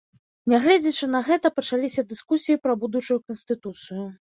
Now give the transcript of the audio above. Нягледзячы на гэта, пачаліся дыскусіі пра будучую канстытуцыю.